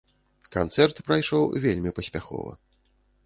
Канцэрт прайшоў вельмі паспяхова.